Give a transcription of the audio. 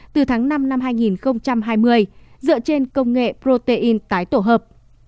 từ tháng năm năm hai nghìn hai mươi dựa trên công nghệ protein tái tổ hợp